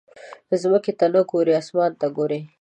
ځمکې ته نه ګورې، اسمان ته ګورې.